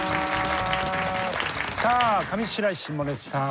さあ上白石萌音さん